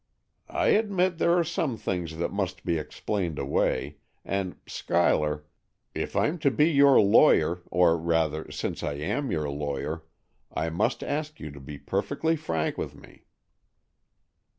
"I admit there are some things that must be explained away; and, Schuyler, if I'm to be your lawyer, or, rather, since I am your lawyer, I must ask you to be perfectly frank with me."